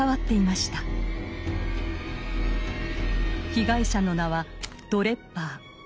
被害者の名はドレッバー。